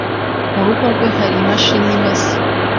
Mu rugo rwe hari imashini imesa?